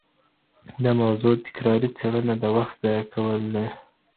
د موضوع تکراري څېړنه د وخت ضایع کول دي.